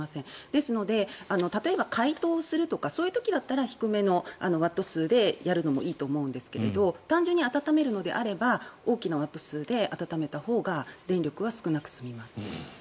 ですので、例えば解凍するとかそういう時だったら低めのワット数でやるのもいいと思うんですが単純に温めるのであれば大きなワット数で温めたほうが電力は少なく済みます。